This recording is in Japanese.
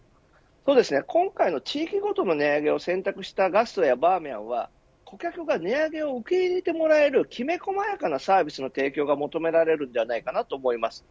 今回の地域ごとの値上げを選択した、ガストやバーミヤンは顧客が値上げを受け入れてもらえるきめ細やかなサービスが求められると思います。